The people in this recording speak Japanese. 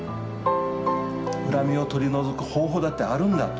恨みを取り除く方法だってあるんだと。